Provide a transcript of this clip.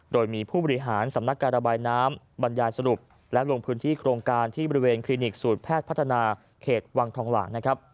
โดยมีผู้บริหารสำนักการระบายน้ำบรรยายสรุปและลงพื้นที่โครงการที่บริเวณคลินิกสูตรแพทย์พัฒนาเขตวังทองหลางนะครับ